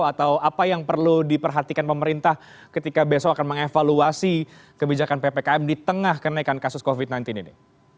atau apa yang perlu diperhatikan pemerintah ketika besok akan mengevaluasi kebijakan ppkm di tengah kenaikan kasus covid sembilan belas ini